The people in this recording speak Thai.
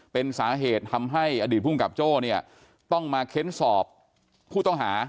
เป็นสาเหตุทำให้อดีตภูมิกับโจ้เนี่ยต้องมาเค้นสอบผู้ต้องหา